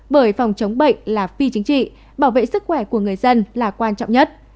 bởi phòng chống bệnh là phi chính trị bảo vệ sức khỏe của người dân là quan trọng nhất